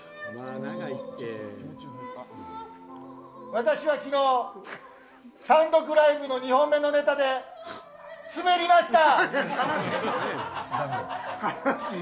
私は昨日、単独ライブの２本目のネタで滑りました。